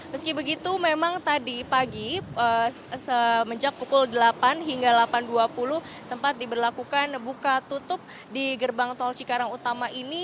meski begitu memang tadi pagi semenjak pukul delapan hingga delapan dua puluh sempat diberlakukan buka tutup di gerbang tol cikarang utama ini